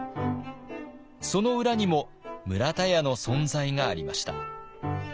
その裏にも村田屋の存在がありました。